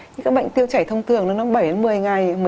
nhưng các bệnh tiêu chảy thông thường nó bảy đến một mươi ngày